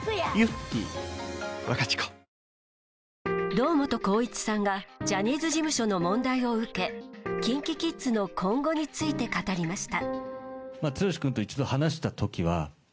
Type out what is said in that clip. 堂本光一さんがジャニーズ事務所の問題を受けＫｉｎＫｉＫｉｄｓの今後について語りました。